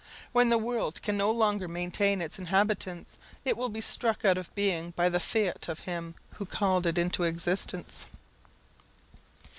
When the world can no longer maintain its inhabitants, it will be struck out of being by the fiat of Him who called it into existence.